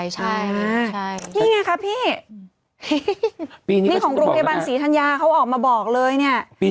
ใช่ค่ะนี่ไงครับพี่นี่ของโรงพยาบาลศรีธัญญาเขาออกมาบอกเลยเนี่ย